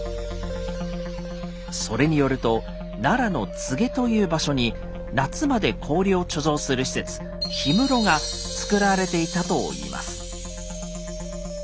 それによると奈良の都祁という場所に夏まで氷を貯蔵する施設「氷室」がつくられていたといいます。